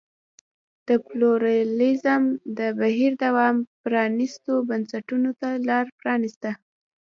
د پلورالېزم د بهیر دوام پرانیستو بنسټونو ته لار پرانېسته.